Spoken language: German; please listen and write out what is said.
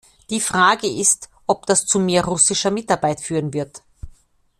Die Frage ist, ob das zu mehr russischer Mitarbeit führen wird.